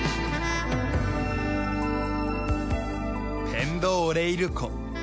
ペンド・オレイル湖。